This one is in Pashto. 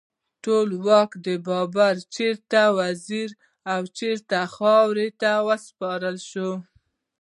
ټولواک بابر چیرته وزیږید او چیرته خاورو ته وسپارل شو؟